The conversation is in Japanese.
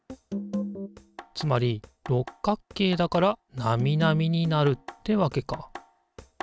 つまり六角形だからナミナミになるってわけか。